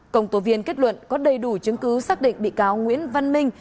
công tố viên kết luận có đầy đủ chứng cứ xác định bị cáo nguyễn văn minh